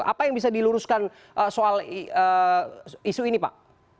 apa yang bisa diluruskan soal isu ini pak